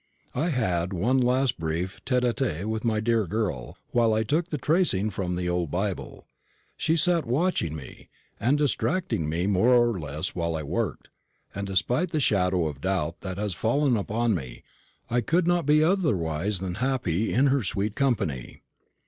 I had one last brief tête à tête with my dear girl while I took the tracing from the old Bible. She sat watching me, and distracting me more or less while I worked; and despite the shadow of doubt that has fallen upon me, I could not be otherwise than happy in her sweet company.